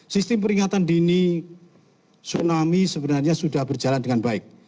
sistem peringatan dini tsunami sebenarnya sudah berjalan dengan baik